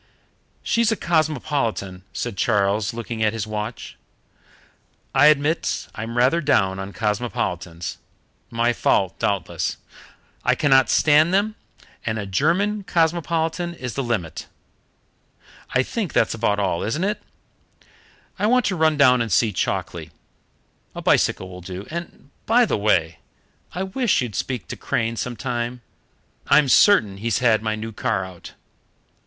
"She's a cosmopolitan," said Charles, looking at his watch. "I admit I'm rather down on cosmopolitans. My fault, doubtless. I cannot stand them, and a German cosmopolitan is the limit. I think that's about all, isn't it? I want to run down and see Chalkeley. A bicycle will do. And, by the way, I wish you'd speak to Crane some time. I'm certain he's had my new car out."